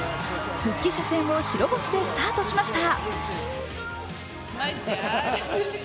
復帰初戦を白星でスタートしました。